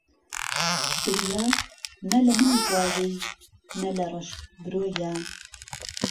بریا نه له من بویایهی نه له ڕهش برۆيه